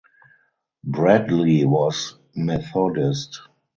Bradley was Methodist.